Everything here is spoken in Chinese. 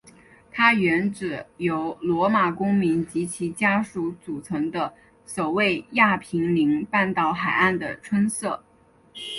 它原指由罗马公民及其家属组成的守卫亚平宁半岛海岸的村社。